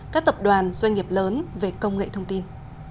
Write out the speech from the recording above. các tập đoàn doanh nghiệp lớn về công nghệ thông tin